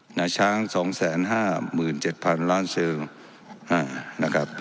หน้าช้าง๒๕๗๐๐ล้านเซลล์นะครับ